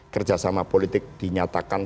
kerjasama politik dinyatakan